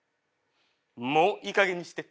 もういいかげんにして。